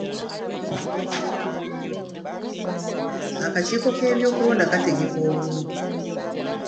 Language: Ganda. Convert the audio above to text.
Akakiiko k'ebyokulonda kategeka obululu.